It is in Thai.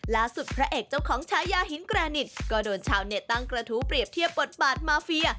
พระเอกเจ้าของชายาหินแกรนิตก็โดนชาวเน็ตตั้งกระทู้เปรียบเทียบบทบาทมาเฟีย